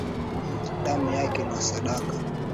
Damu yake na sadaka.